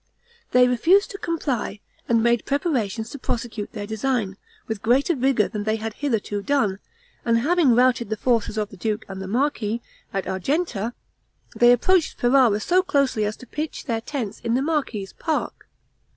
They refused to comply, and made preparations to prosecute their design with greater vigor than they had hitherto done; and having routed the forces of the duke and the marquis at Argenta, they approached Ferrara so closely as to pitch their tents in the marquis's park.